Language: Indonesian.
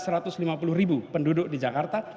rp lima puluh penduduk di jakarta